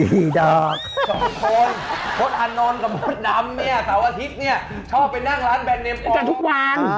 ฮ่า